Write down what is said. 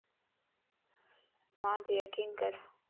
مانتَ يقين ڪر